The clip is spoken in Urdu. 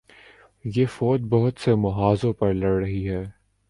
یہ فوج بہت سے محاذوںپر لڑ رہی ہے۔